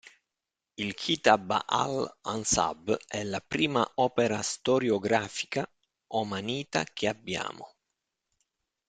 Il "Kitab al-ansab" è la prima opera storiografica omanita che abbiamo.